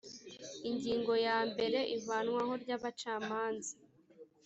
ingingo ya mbere ivanwaho ry abacamanza